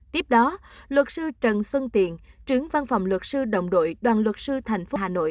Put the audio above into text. tiếp đó luật sư trần xuân tiện trưởng văn phòng luật sư đồng đội đoàn luật sư thành phố hà nội